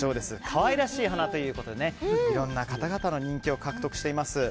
可愛らしい花ということでいろんな方々の人気を獲得しています。